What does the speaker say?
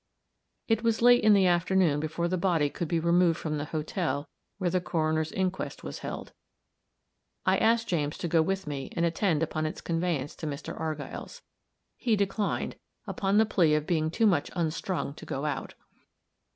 It was late in the afternoon before the body could be removed from the hotel where the coroner's inquest was held. I asked James to go with me and attend upon its conveyance to Mr. Argyll's. He declined, upon the plea of being too much unstrung to go out.